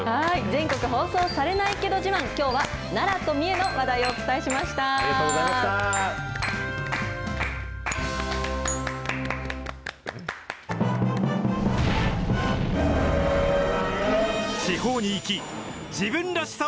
全国放送されないけど自慢、きょうは奈良と三重の話題をお伝ありがとうございました。